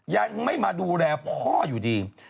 ยังไม่มาดูแลพ่ออยู่ดี